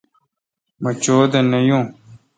مہ چودہ نہ یون